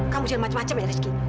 kamu jangan macem macem ya rizky